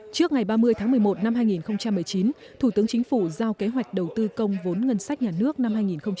trước ngày ba mươi tháng một mươi một năm hai nghìn một mươi chín thủ tướng chính phủ giao kế hoạch đầu tư công vốn ngân sách nhà nước năm hai nghìn hai mươi